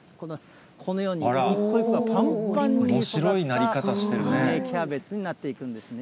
このように一個一個がぱんぱんになった芽キャベツになっていくんですね。